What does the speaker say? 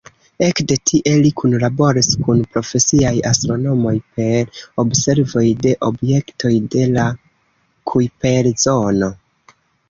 Ekde tie li kunlaboris kun profesiaj astronomoj per observoj de objektoj de la Kujper-zono.